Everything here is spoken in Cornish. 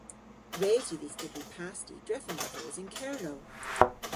Res yw dhis dybri pasti drefen dha vos yn Kernow.